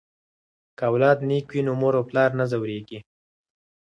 که اولاد نیک وي نو مور او پلار نه ځورېږي.